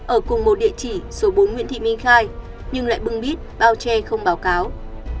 ở cùng một địa chỉ số bốn nguyễn thị minh khai nhưng lại bưng bít bao che không báo cáo